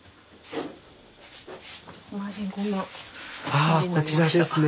ああこちらですね。